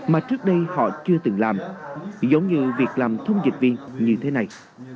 mà trước đây họ chưa từng làm giống như việc làm thông dịch viên như thế này